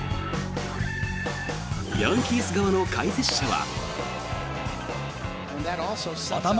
ヤンキース側の解説者は。